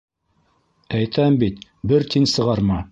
Әйтәм бит, бер тин сығарма.